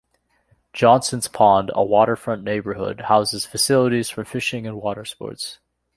Johnson's Pond, a waterfront neighborhood, houses facilities for fishing and watersports.